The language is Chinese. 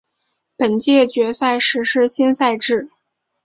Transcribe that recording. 本届决赛实施新赛制。